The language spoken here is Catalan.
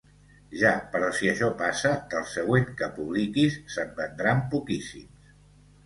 Ja, però si això passa, del següent que publiquis se'n vendran poquíssims.